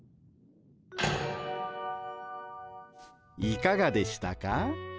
いかがでしたか？